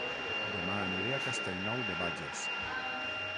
Dema aniré a Castellnou de Bages